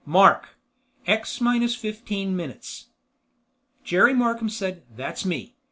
... Mark! X Minus Fifteen Minutes!" Jerry Markham said, "That's me!"